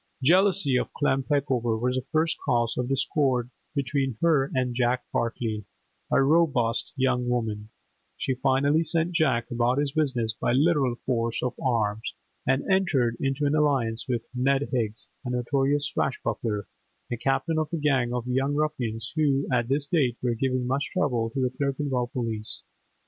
Jealousy of Clem Peckover was the first cause of discord between her and Jack Bartley; a robust young woman, she finally sent Jack about his business by literal force of arms, and entered into an alliance with Ned Higgs, a notorious swashbuckler, the captain of a gang of young ruffians who at this date were giving much trouble to the Clerkenwell police.